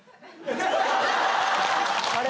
・あれ？